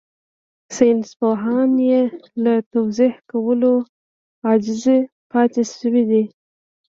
ساينسپوهان يې له توضيح کولو عاجز پاتې شوي دي.